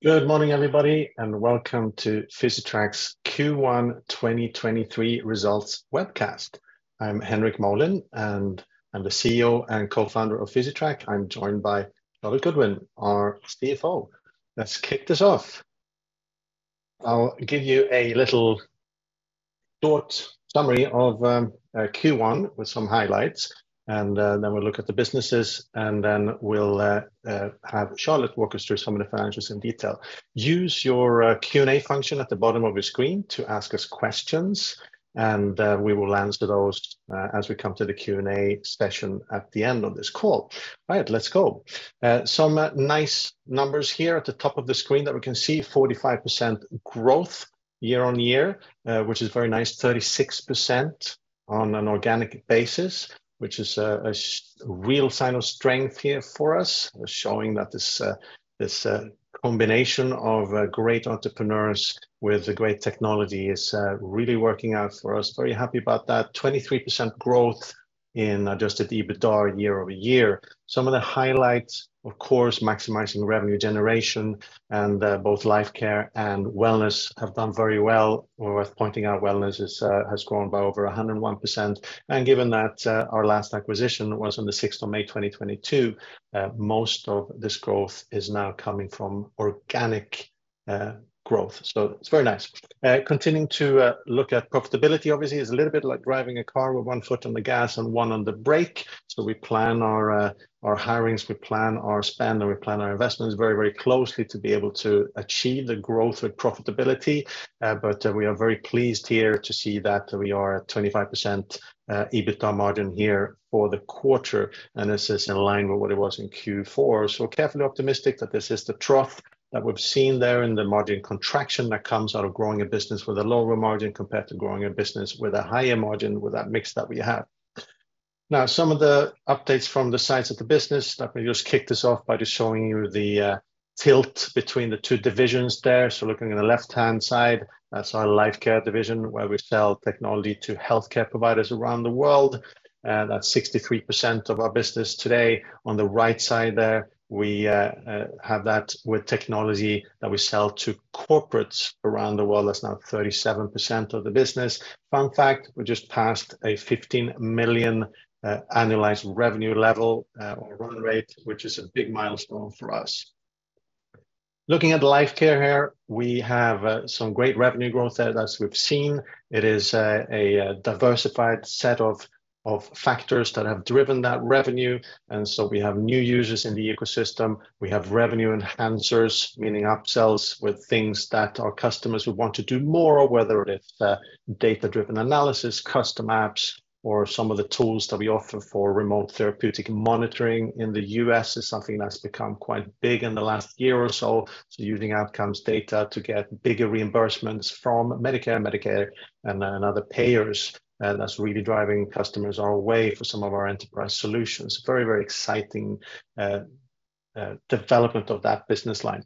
Good morning, everybody, welcome to Physitrack's Q1 2023 results webcast. I'm Henrik Molin, I'm the CEO and co-founder of Physitrack. I'm joined by Charlotte Goodwin, our CFO. Let's kick this off. I'll give you a little short summary of Q1 with some highlights, then we'll look at the businesses, then we'll have Charlotte walk us through some of the financials in detail. Use your Q&A function at the bottom of your screen to ask us questions, we will answer those as we come to the Q&A session at the end of this call. All right, let's go. Some nice numbers here at the top of the screen that we can see. 45% growth year-over-year, which is very nice. 36% on an organic basis, which is a real sign of strength here for us, showing that this combination of great entrepreneurs with great technology is really working out for us. Very happy about that. 23% growth in Adjusted EBITDA year-over-year. Some of the highlights, of course, maximizing revenue generation and both Lifecare and Wellness have done very well. Worth pointing out, Wellness is has grown by over 101%. Given that our last acquisition was on the 6th of May 2022, most of this growth is now coming from organic growth. It's very nice. Continuing to look at profitability obviously is a little bit like driving a car with one foot on the gas and one on the brake. We plan our hirings, we plan our spend, and we plan our investments very, very closely to be able to achieve the growth with profitability. But we are very pleased here to see that we are at 25% EBITDA margin here for the quarter, and this is in line with what it was in Q4. Carefully optimistic that this is the trough that we've seen there in the margin contraction that comes out of growing a business with a lower margin compared to growing a business with a higher margin with that mix that we have. Some of the updates from the sides of the business. Let me just kick this off by just showing you the tilt between the two divisions there. Looking at the left-hand side, that's our Lifecare division, where we sell technology to healthcare providers around the world. That's 63% of our business today. On the right side there, we have that with technology that we sell to corporates around the world. That's now 37% of the business. Fun fact, we just passed a 15 million annualized revenue level or run rate, which is a big milestone for us. Looking at the Lifecare here, we have some great revenue growth there, as we've seen. It is a diversified set of factors that have driven that revenue. We have new users in the ecosystem. We have revenue enhancers, meaning upsells with things that our customers would want to do more, whether it's data-driven analysis, custom apps, or some of the tools that we offer for remote therapeutic monitoring in the U.S. is something that's become quite big in the last year or so. Using outcomes data to get bigger reimbursements from Medicare, Medicaid, and other payers, that's really driving customers our way for some of our enterprise solutions. Very, very exciting development of that business line.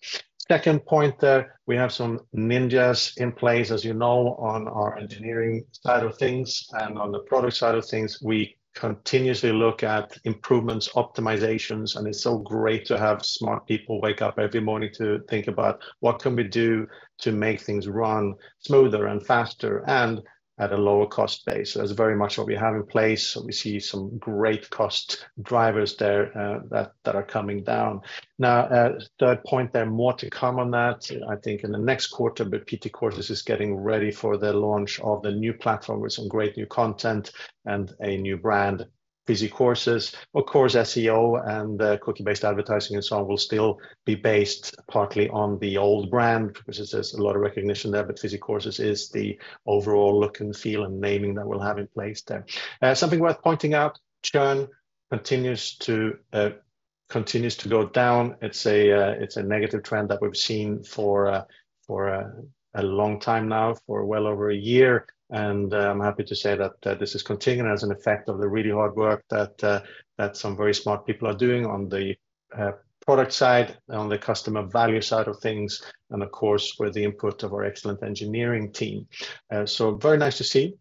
Second point there, we have some ninjas in place, as you know, on our engineering side of things and on the product side of things. We continuously look at improvements, optimizations, and it's so great to have smart people wake up every morning to think about, "What can we do to make things run smoother and faster and at a lower cost base?" That's very much what we have in place, and we see some great cost drivers there, that are coming down. Now, third point there, more to come on that, I think in the next quarter. PT Courses is getting ready for the launch of the new platform with some great new content and a new brand, Physicourses. Of course, SEO and cookie-based advertising and so on will still be based partly on the old brand, which is. There's a lot of recognition there, but Physicourses is the overall look and feel and naming that we'll have in place there. Something worth pointing out, churn continues to go down. It's a negative trend that we've seen for a long time now, for well over a year. I'm happy to say that this is continuing as an effect of the really hard work that some very smart people are doing on the product side, on the customer value side of things, and of course, with the input of our excellent engineering team. Very nice to see.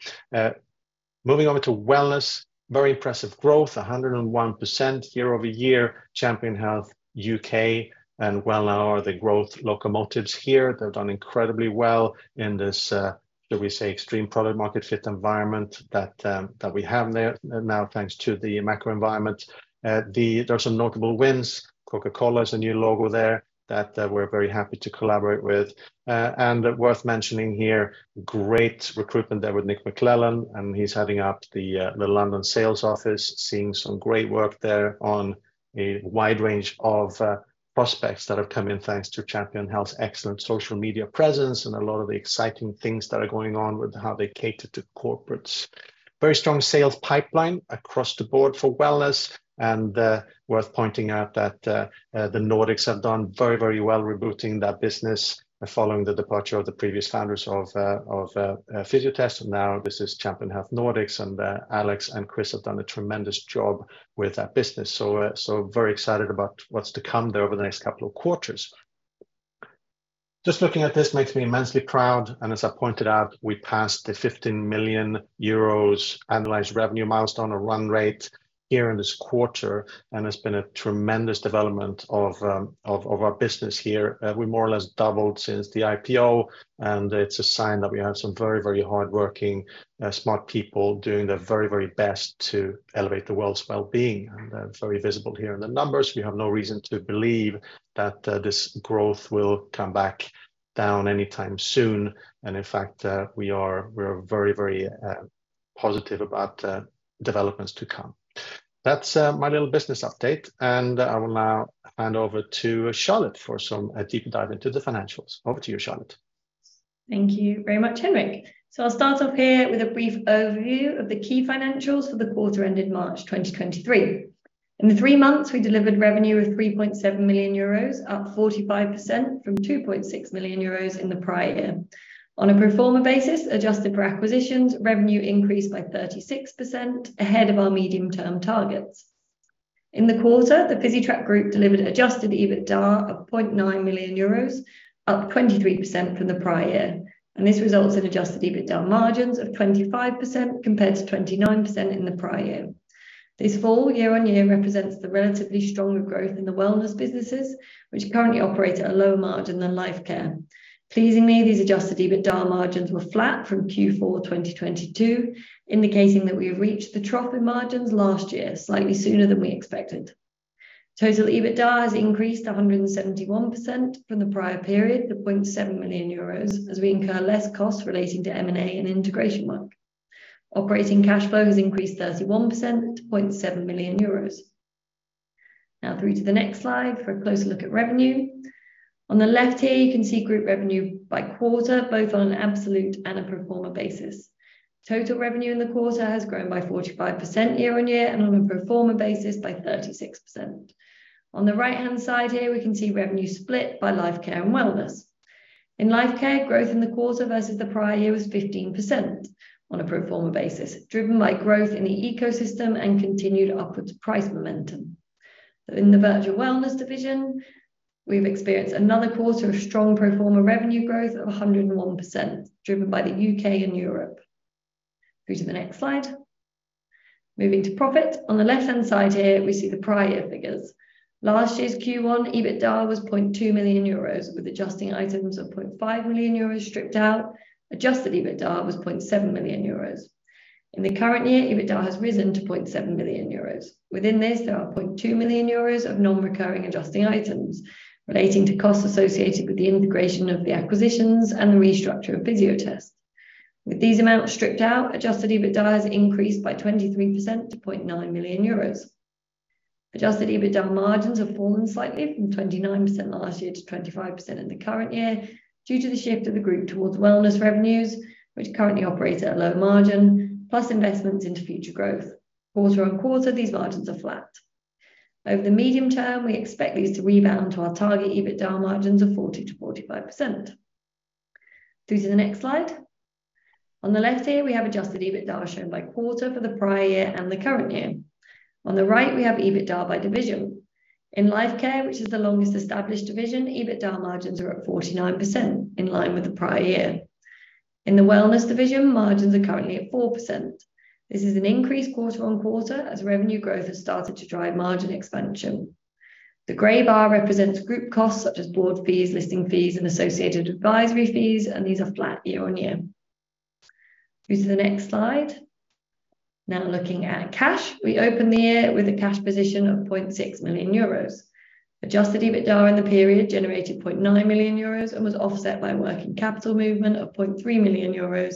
Moving over to Wellness, very impressive growth, 101% year-over-year. Champion Health UK and Wellnow are the growth locomotives here. They've done incredibly well in this, shall we say, extreme product market fit environment that we have there now thanks to the macro environment. There's some notable wins. Coca-Cola is a new logo there that we're very happy to collaborate with. And worth mentioning here, great recruitment there with Nick McClelland, and he's heading up the London sales office. Seeing some great work there on a wide range of prospects that have come in thanks to Champion Health's excellent social media presence and a lot of the exciting things that are going on with how they cater to corporates. Very strong sales pipeline across the board for Wellness. And worth pointing out that the Nordics have done very, very well rebooting that business following the departure of the previous founders of Fysiotest. And now this is Champion Health Nordics, and Alex and Chris have done a tremendous job with that business. Very excited about what's to come there over the next couple of quarters. Just looking at this makes me immensely proud. As I pointed out, we passed the 15 million euros annualized revenue milestone or run rate here in this quarter, and it's been a tremendous development of our business here. We more or less doubled since the IPO, and it's a sign that we have some very hardworking, smart people doing their very, very best to elevate the world's wellbeing. They're very visible here in the numbers. We have no reason to believe that this growth will come back down anytime soon. In fact, we're very positive about developments to come. That's my little business update, and I will now hand over to Charlotte for some deeper dive into the financials. Over to you, Charlotte. Thank you very much, Henrik. I'll start off here with a brief overview of the key financials for the quarter ended March 2023. In the three months, we delivered revenue of 3.7 million euros, up 45% from 2.6 million euros in the prior year. On a pro forma basis, adjusted for acquisitions, revenue increased by 36% ahead of our medium-term targets. In the quarter, the Physitrack Group delivered Adjusted EBITDA of 0.9 million euros, up 23% from the prior year. This results in Adjusted EBITDA margins of 25% compared to 29% in the prior year. This fall year-on-year represents the relatively stronger growth in the Wellness businesses, which currently operate at a lower margin than Lifecare. Pleasingly, these Adjusted EBITDA margins were flat from Q4 2022, indicating that we have reached the trough in margins last year, slightly sooner than we expected. Total EBITDA has increased 171% from the prior period to 0.7 million euros as we incur less costs relating to M&A and integration work. Operating cash flow has increased 31% to 0.7 million euros. Through to the next slide for a closer look at revenue. On the left here, you can see group revenue by quarter, both on an absolute and a pro forma basis. Total revenue in the quarter has grown by 45% year-on-year and on a pro forma basis by 36%. On the right-hand side here, we can see revenue split by Lifecare and Wellness. In Lifecare, growth in the quarter versus the prior year was 15% on a pro forma basis, driven by growth in the ecosystem and continued upwards price momentum. In the Virtual Wellness division, we've experienced another quarter of strong pro forma revenue growth of 101%, driven by the U.K. and Europe. Through to the next slide. Moving to profit. On the left-hand side here, we see the prior figures. Last year's Q1, EBITDA was 0.2 million euros, with adjusting items of 0.5 million euros stripped out. Adjusted EBITDA was 0.7 million euros. In the current year, EBITDA has risen to 0.7 million euros. Within this, there are 0.2 million euros of non-recurring adjusting items relating to costs associated with the integration of the acquisitions and the restructure of Fysiotest. With these amounts stripped out, Adjusted EBITDA has increased by 23% to 0.9 million euros. Adjusted EBITDA margins have fallen slightly from 29% last year to 25% in the current year due to the shift of the group towards Wellness revenues, which currently operates at a low margin, plus investments into future growth. Quarter-on-quarter, these margins are flat. Over the medium term, we expect these to rebound to our target EBITDA margins of 40%-45%. Through to the next slide. On the left here, we have Adjusted EBITDA shown by quarter for the prior year and the current year. On the right, we have EBITDA by division. In Lifecare, which is the longest established division, EBITDA margins are at 49% in line with the prior year. In the Wellness division, margins are currently at 4%. This is an increase quarter-on-quarter as revenue growth has started to drive margin expansion. The gray bar represents group costs such as board fees, listing fees, and associated advisory fees. These are flat year-on-year. Through to the next slide. Now looking at cash. We open the year with a cash position of 0.6 million euros. Adjusted EBITDA in the period generated 0.9 million euros, was offset by working capital movement of 0.3 million euros,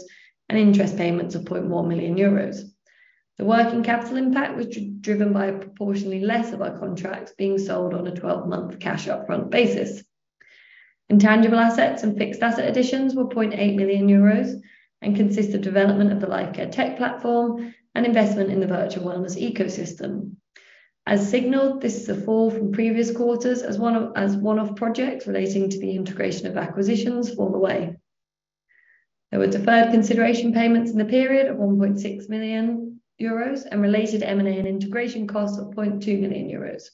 interest payments of 0.1 million euros. The working capital impact was driven by proportionally less of our contracts being sold on a 12-month cash upfront basis. Intangible assets and fixed asset additions were 0.8 million euros, consist of development of the Lifecare tech platform and investment in the Virtual Wellness ecosystem. As signaled, this is a fall from previous quarters as one-off projects relating to the integration of acquisitions fall away. There were deferred consideration payments in the period of 1.6 million euros and related M&A and integration costs of 0.2 million euros.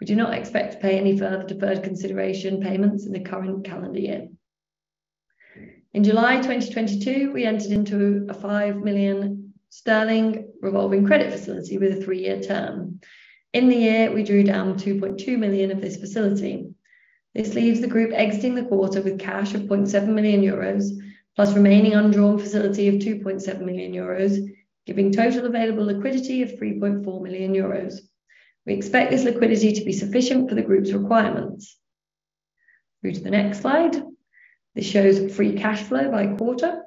We do not expect to pay any further deferred consideration payments in the current calendar year. In July 2022, we entered into a 5 million sterling revolving credit facility with a three-year term. In the year, we drew down 2.2 million of this facility. This leaves the group exiting the quarter with cash of 0.7 million euros, plus remaining undrawn facility of 2.7 million euros, giving total available liquidity of 3.4 million euros. We expect this liquidity to be sufficient for the group's requirements. Through to the next slide. This shows free cash flow by quarter.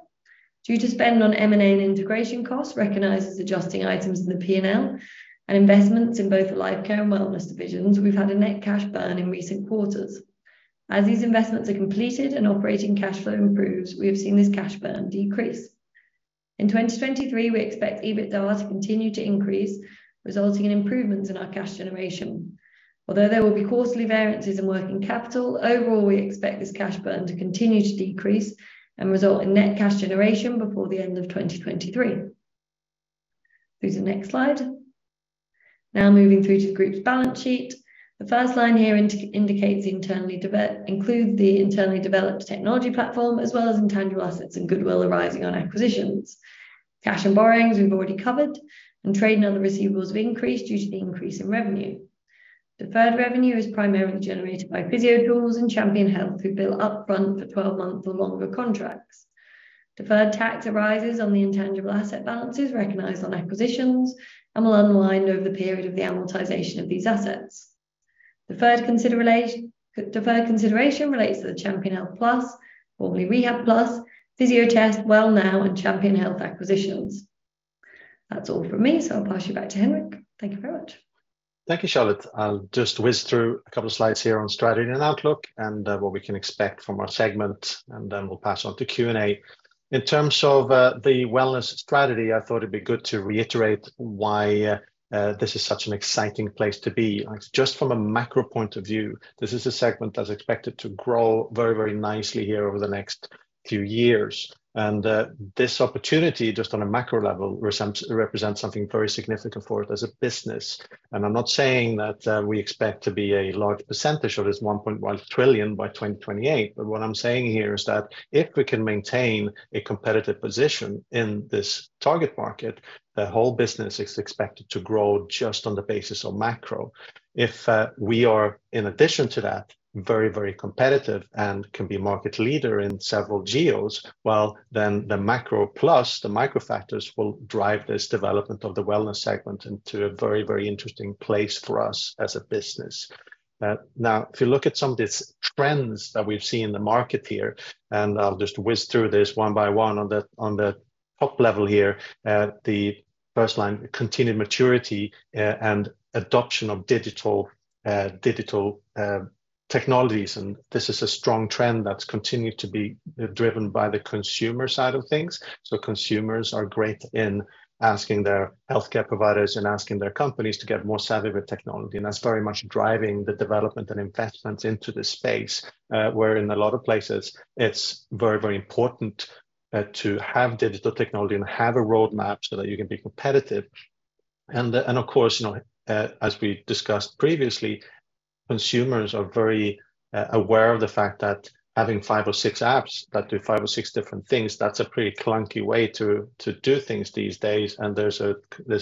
Due to spend on M&A and integration costs recognized as adjusting items in the P&L and investments in both the Lifecare and Wellness divisions, we've had a net cash burn in recent quarters. As these investments are completed and operating cash flow improves, we have seen this cash burn decrease. In 2023, we expect EBITDA to continue to increase, resulting in improvements in our cash generation. Although there will be quarterly variances in working capital, overall, we expect this cash burn to continue to decrease and result in net cash generation before the end of 2023. To the next slide. Moving through to the group's balance sheet. The first line here indicates the internally developed technology platform, as well as intangible assets and goodwill arising on acquisitions. Cash and borrowings we've already covered. Trade and other receivables have increased due to the increase in revenue. Deferred revenue is primarily generated by Physiotools and Champion Health, who bill up front for 12-month or longer contracts. Deferred tax arises on the intangible asset balances recognized on acquisitions and will unwind over the period of the amortization of these assets. Deferred consideration relates to the Champion Health Plus, formerly Rehabplus, Fysiotest, Wellnow, and Champion Health acquisitions. That's all from me. I'll pass you back to Henrik. Thank you very much. Thank you, Charlotte. I'll just whiz through a couple slides here on strategy and outlook and what we can expect from our segment, then we'll pass on to Q&A. In terms of the wellness strategy, I thought it'd be good to reiterate why this is such an exciting place to be. Like, just from a macro point of view, this is a segment that's expected to grow very, very nicely here over the next few years. This opportunity, just on a macro level, represents something very significant for it as a business. I'm not saying that we expect to be a large percentage of this 1.1 trillion by 2028. What I'm saying here is that if we can maintain a competitive position in this target market, the whole business is expected to grow just on the basis of macro. If we are, in addition to that, very, very competitive and can be market leader in several geos, the macro plus the micro factors will drive this development of the Wellness segment into a very, very interesting place for us as a business. If you look at some of these trends that we've seen in the market here, I'll just whiz through this one by one on the, on the top level here. The first line, continued maturity, and adoption of digital technologies. This is a strong trend that's continued to be driven by the consumer side of things. Consumers are great in asking their healthcare providers and asking their companies to get more savvy with technology, and that's very much driving the development and investment into this space, where in a lot of places it's very, very important to have digital technology and have a roadmap so that you can be competitive. Of course, you know, as we discussed previously, consumers are very aware of the fact that having five or six apps that do five or six different things, that's a pretty clunky way to do things these days. There's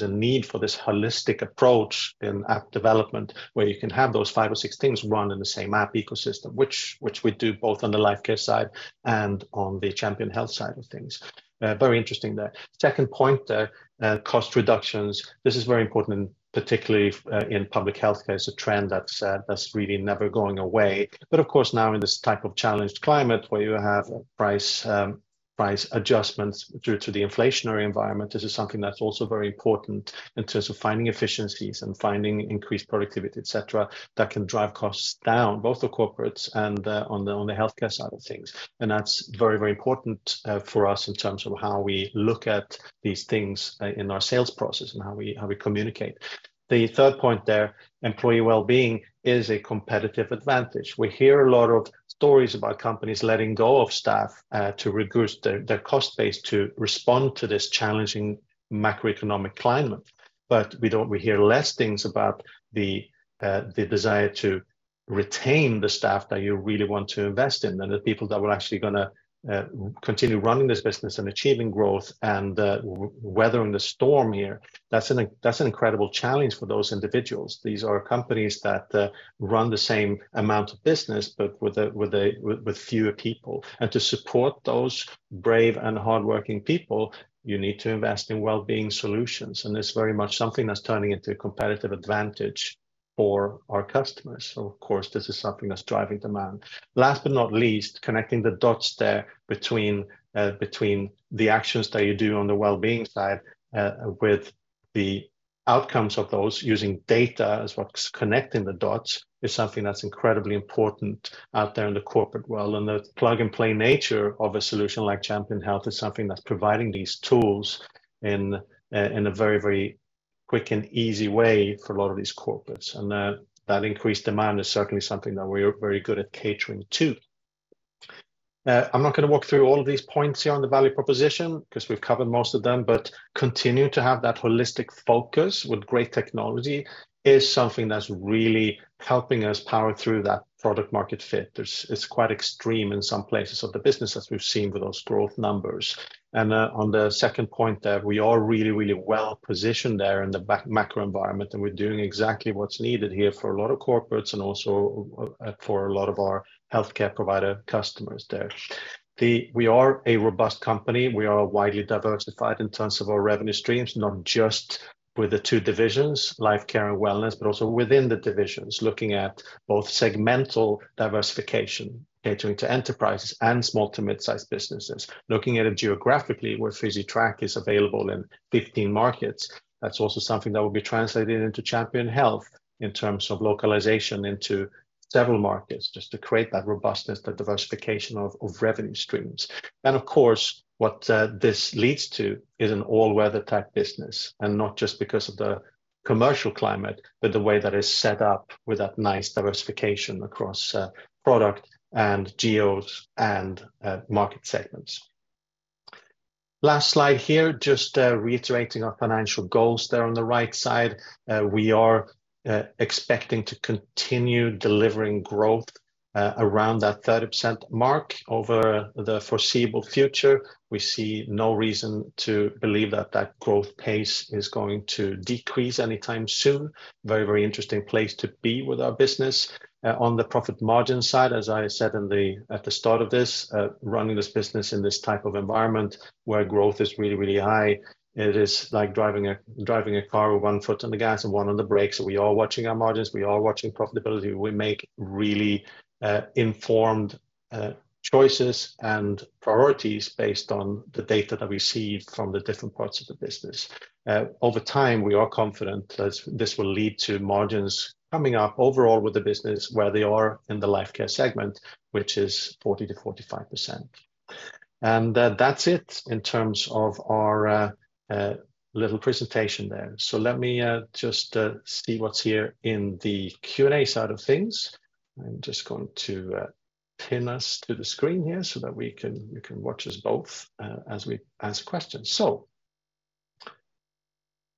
a need for this holistic approach in app development where you can have those five or six things run in the same app ecosystem, which we do both on the Lifecare side and on the Champion Health side of things. Very interesting there. Second point there, cost reductions. This is very important, and particularly in public healthcare. It's a trend that's really never going away. Of course now in this type of challenged climate where you have price adjustments due to the inflationary environment, this is something that's also very important in terms of finding efficiencies and finding increased productivity, et cetera, that can drive costs down, both the corporates and on the healthcare side of things. That's very, very important, for us in terms of how we look at these things, in our sales process and how we communicate. The third point there, employee wellbeing is a competitive advantage. We hear a lot of stories about companies letting go of staff, to reduce their cost base to respond to this challenging macroeconomic climate. We hear less things about the desire to retain the staff that you really want to invest in and the people that were actually gonna, continue running this business and achieving growth and weathering the storm here. That's an incredible challenge for those individuals. These are companies that, run the same amount of business, but with fewer people. To support those brave and hardworking people, you need to invest in wellbeing solutions, and it's very much something that's turning into a competitive advantage for our customers. Of course, this is something that's driving demand. Last but not least, connecting the dots there between the actions that you do on the wellbeing side, with the outcomes of those using data is what's connecting the dots, is something that's incredibly important out there in the corporate world. The plug-and-play nature of a solution like Champion Health is something that's providing these tools in a very quick and easy way for a lot of these corporates. That increased demand is certainly something that we're very good at catering to. I'm not gonna walk through all of these points here on the value proposition 'cause we've covered most of them, but continuing to have that holistic focus with great technology is something that's really helping us power through that product market fit. It's quite extreme in some places of the business as we've seen with those growth numbers. On the second point there, we are really, really well positioned there in the macro environment, and we're doing exactly what's needed here for a lot of corporates and also for a lot of our healthcare provider customers there. We are a robust company. We are widely diversified in terms of our revenue streams, not just with the two divisions, Lifecare and Wellness, but also within the divisions, looking at both segmental diversification, catering to enterprises and small to mid-sized businesses. Looking at it geographically, where Physitrack is available in 15 markets, that's also something that will be translated into Champion Health in terms of localization into several markets just to create that robustness, the diversification of revenue streams. Of course, what this leads to is an all-weather type business, not just because of the commercial climate with the way that is set up with that nice diversification across product and geos and market segments. Last slide here, just reiterating our financial goals there on the right side. We are expecting to continue delivering growth around that 30% mark over the foreseeable future. We see no reason to believe that that growth pace is going to decrease anytime soon. Very, very interesting place to be with our business. On the profit margin side, as I said at the start of this, running this business in this type of environment where growth is really, really high, it is like driving a, driving a car with one foot on the gas and one on the brakes. We are watching our margins. We are watching profitability. We make really informed choices and priorities based on the data that we see from the different parts of the business. Over time, we are confident that this will lead to margins coming up overall with the business where they are in the Lifecare segment, which is 40%-45%. That's it in terms of our little presentation there. Let me just see what's here in the Q&A side of things. I'm just going to pin us to the screen here so that we can watch us both as we ask questions.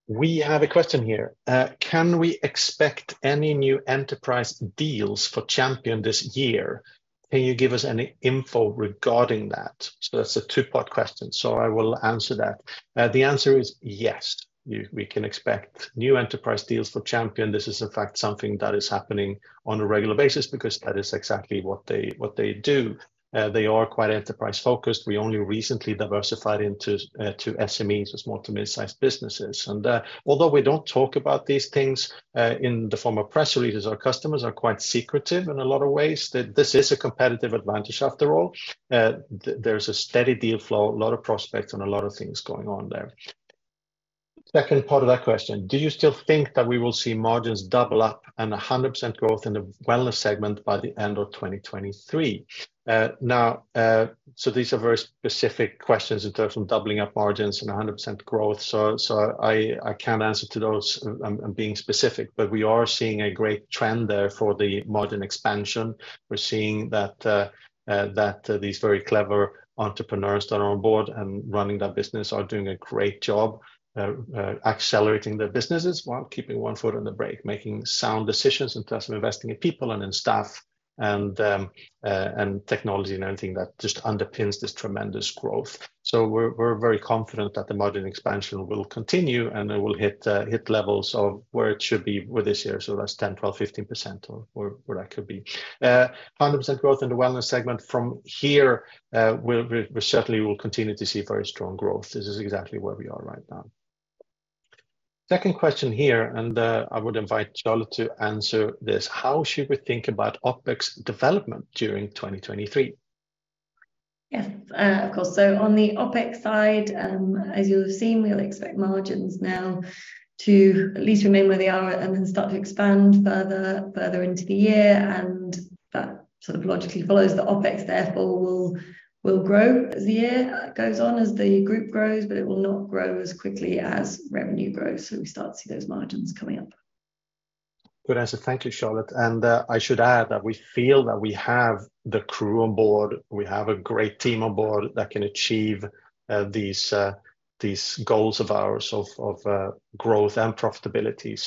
We have a question here. Can we expect any new enterprise deals for Champion this year? Can you give us any info regarding that? That's a two-part question. I will answer that. The answer is yes. We can expect new enterprise deals for Champion. This is in fact something that is happening on a regular basis because that is exactly what they do. They are quite enterprise-focused. We only recently diversified into to SMEs, small to mid-sized businesses. Although we don't talk about these things in the form of press releases, our customers are quite secretive in a lot of ways. This is a competitive advantage after all. There's a steady deal flow, a lot of prospects, and a lot of things going on there. Second part of that question, do you still think that we will see margins double up and 100% growth in the Wellness segment by the end of 2023? Now, these are very specific questions in terms of doubling up margins and 100% growth. I can't answer to those. I'm being specific, but we are seeing a great trend there for the margin expansion. We're seeing that these very clever entrepreneurs that are on board and running that business are doing a great job accelerating their businesses while keeping one foot on the brake, making sound decisions in terms of investing in people and in staff and technology and everything that just underpins this tremendous growth. We're very confident that the margin expansion will continue, and it will hit levels of where it should be with this year. That's 10%, 12%, 15% or where that could be. 100% growth in the Wellness segment from here, we certainly will continue to see very strong growth. This is exactly where we are right now. Second question here, I would invite Charlotte to answer this. How should we think about OpEx development during 2023? Yes, of course. On the OpEx side, as you have seen, we'll expect margins now to at least remain where they are and then start to expand further into the year, and that sort of logically follows the OpEx therefore will grow as the year goes on, as the group grows, but it will not grow as quickly as revenue grows, so we start to see those margins coming up. Good answer. Thank you, Charlotte. I should add that we feel that we have the crew on board. We have a great team on board that can achieve these goals of ours of growth and profitability.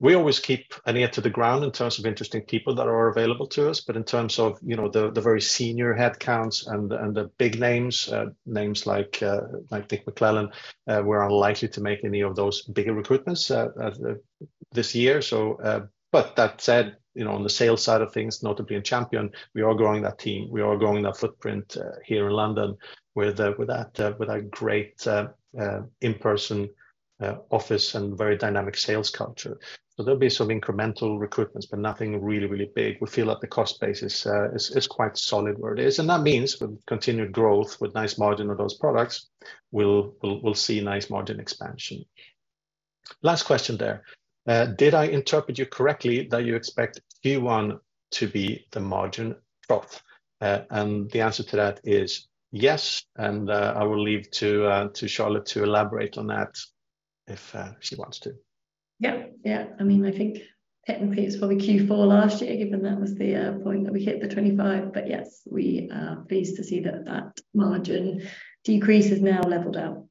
We always keep an ear to the ground in terms of interesting people that are available to us. In terms of, you know, the very senior headcounts and the big names like Nick McClelland, we're unlikely to make any of those bigger recruitments this year. That said, you know, on the sales side of things, notably in Champion, we are growing that team, we are growing that footprint here in London with that with a great in-person office and very dynamic sales culture. There'll be some incremental recruitments, but nothing really big. We feel like the cost base is quite solid where it is. That means with continued growth with nice margin on those products, we'll see nice margin expansion. Last question there. Did I interpret you correctly that you expect Q1 to be the margin trough? The answer to that is yes. I will leave to Charlotte to elaborate on that if she wants to. Yeah. Yeah. I mean, I think technically it's probably Q4 last year, given that was the point that we hit the 25. Yes, we are pleased to see that that margin decrease has now leveled out.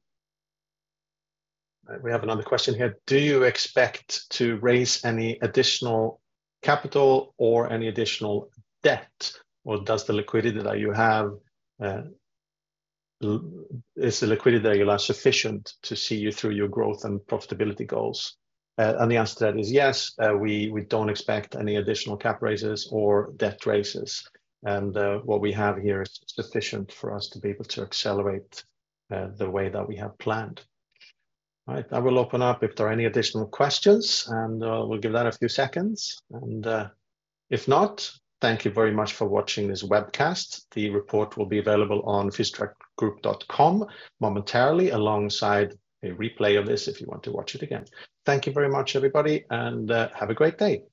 We have another question here. Do you expect to raise any additional capital or any additional debt, or does the liquidity that you have, is the liquidity that you'll have sufficient to see you through your growth and profitability goals? The answer to that is yes. We don't expect any additional cap raises or debt raises. What we have here is sufficient for us to be able to accelerate the way that we have planned. All right. I will open up if there are any additional questions, and we'll give that a few seconds. If not, thank you very much for watching this webcast. The report will be available on physitrackgroup.com momentarily alongside a replay of this if you want to watch it again. Thank you very much, everybody, and have a great day.